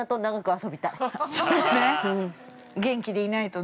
◆そうね、元気でいないとね。